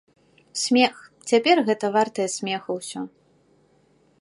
Смех, цяпер гэта вартае смеху ўсё.